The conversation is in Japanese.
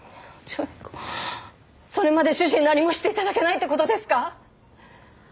それまで主人何もしていただけないってことですか？